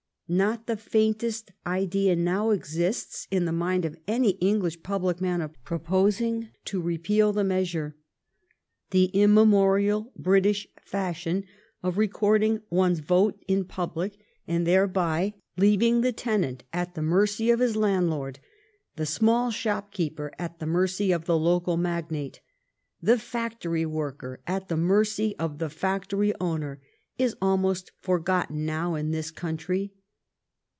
Not the faintest idea now exists in the mind of any English public man of proposing to repeal the measure. The immemorial British fashion of recording one*s. vote in public, and thereby leav 282 THE STORY OF GLADSTONE'S LIFE ing the tenant at the mercy of his landlord, the small shopkeeper at the mercy of the local mag nate, the factory worker at the mercy of the factory owner, is almost forgotten now in this country.